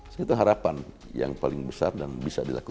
segitu harapan yang paling besar dan memungkinkan